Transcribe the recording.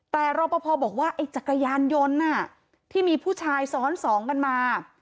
แต่รอปภบอกว่าไอ้จักรยานยนต์ที่มีผู้ชายซ้อนสองกันมา